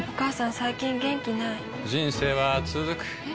最近元気ない人生はつづくえ？